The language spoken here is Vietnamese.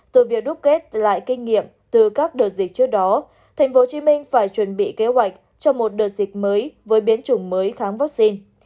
từ việc đúc kết lại kinh nghiệm từ các đợt dịch trước đó tp hcm phải chuẩn bị kế hoạch cho một đợt dịch mới với biến chủng mới kháng vaccine